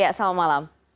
ya selamat malam